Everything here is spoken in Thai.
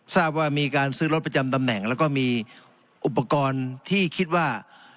ทราบว่ามีการซื้อรถประจำตำแหน่งแล้วก็มีอุปกรณ์ที่คิดว่า